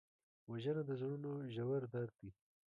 وژنه د زړونو ژور درد دی